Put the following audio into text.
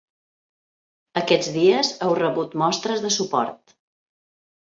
Aquests dies heu rebut mostres de suport.